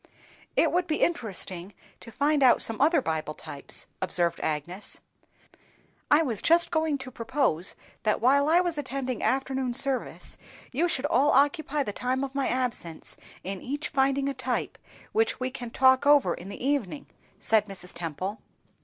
"It would be interesting to find out some other Bible types," observed Agnes. "I was just going to propose that while I attend afternoon service, you should all occupy the time of my absence in each finding a type, which we can talk over in the evening," said Mrs. Temple.